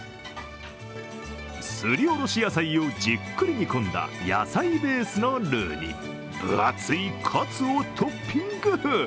すりおろし野菜をじっくり煮込んだ野菜ベースのルーに分厚いカツをトッピング。